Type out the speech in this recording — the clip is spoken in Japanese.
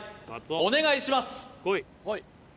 お願いします